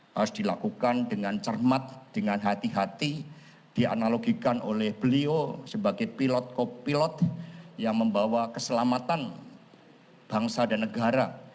harus dilakukan dengan cermat dengan hati hati dianalogikan oleh beliau sebagai pilot kopilot yang membawa keselamatan bangsa dan negara